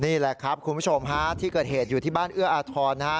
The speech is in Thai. นี่แหละครับคุณผู้ชมฮะที่เกิดเหตุอยู่ที่บ้านเอื้ออาทรนะฮะ